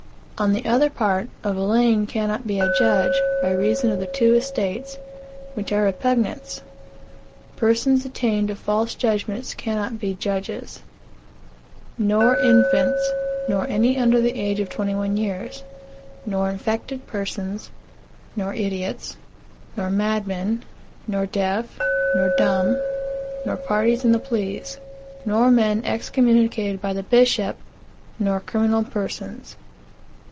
On the other part, a villein cannot be a judge, by reason of the two estates, which are repugnants; persons attainted of false judgments cannot be judges, nor infants, nor any under the age of twenty one years, nor infected persons, nor idiots, nor madmen, nor deaf, nor dumb, nor parties in the pleas, nor men excommunicated by the bishop, nor criminal persons.